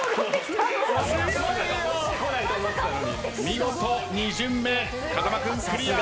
見事２巡目風間君クリア。